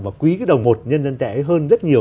và quý cái đầu một nhân dân tệ hơn rất nhiều